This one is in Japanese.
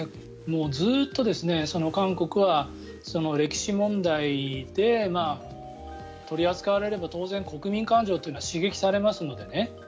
ずっと韓国は歴史問題で取り扱われれば当然、国民感情というのは刺激されますのでね。